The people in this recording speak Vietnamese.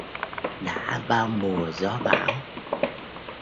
Đã bao mùa gió bão